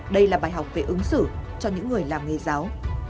đây là bài học về ứng xử cho những người làm nghề giáo